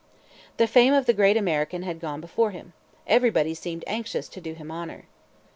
The fame of the great American had gone before him. Everybody seemed anxious to do him honor.